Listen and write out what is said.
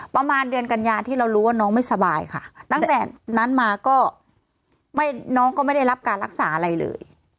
ประมาณเดือนกัญญาที่เรารู้ว่าน้องไม่สบายค่ะตั้งแต่นั้นมาก็ไม่น้องก็ไม่ได้รับการรักษาอะไรเลย